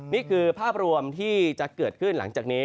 นี่คือภาพรวมที่จะเกิดขึ้นหลังจากนี้